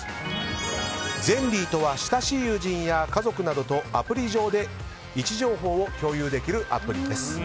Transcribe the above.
ｚｅｎｌｙとは親しい友人や家族などとアプリ上で位置情報を共有できるアプリです。